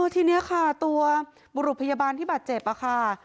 ทีนี้บรุภยาบาลของกฎจริงะค่ะ